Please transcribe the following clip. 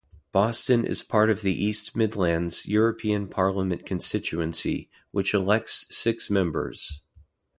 Boston is part of the East Midlands European Parliament constituency, which elects six members.